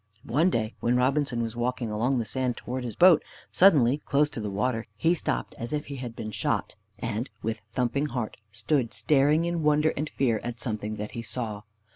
One day when Robinson was walking along the sand towards his boat, suddenly, close to the water, he stopped as if he had been shot, and, with thumping heart, stood staring in wonder and fear at something that he saw.